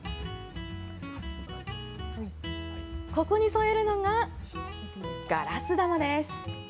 ここに添えるのが、ガラス玉です。